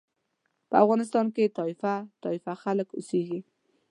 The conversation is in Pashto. په افغانستان کې طایفه طایفه خلک اوسېږي.